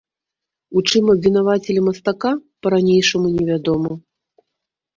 У чым абвінавацілі мастака, па-ранейшаму невядома.